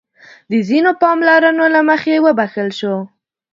د ځينو پاملرنو له مخې وبښل شو.